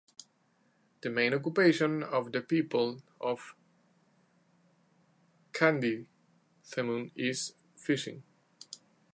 The main occupation of the people of Kanditheemu is fishing.